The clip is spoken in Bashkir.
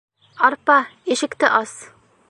— Арпа, ишекте ас!